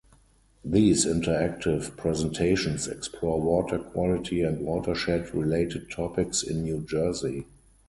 These interactive presentations explore water quality and watershed related topics in New Jersey.